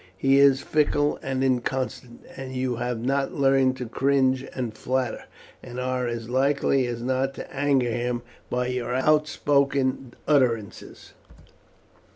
He is fickle and inconstant, and you have not learned to cringe and flatter, and are as likely as not to anger him by your outspoken utterances."